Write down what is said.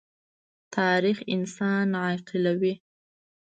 تاریخ انسان عاقلوي.